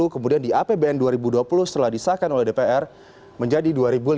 kemudian di apbn dua ribu dua puluh setelah disahkan oleh dpr menjadi dua lima ratus empat puluh